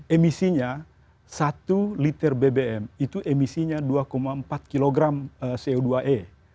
emisinya satu liter bbm itu emisinya dua empat kg co dua e